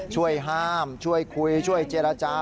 ช่วยห้ามช่วยคุยช่วยเจรจา